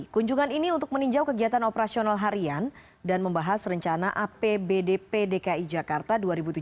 kunjungan ini untuk meninjau kegiatan operasional harian dan membahas rencana apbdp dki jakarta dua ribu tujuh belas